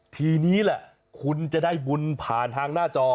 ทีนี้แหละคุณจะได้บุญผ่านทางหน้าจอ